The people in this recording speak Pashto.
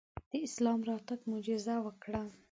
د اسلام راتګ معجزه وکړه.